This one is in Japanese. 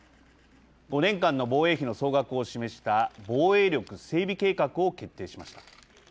５年間の防衛費の総額を示した防衛力整備計画を決定しました。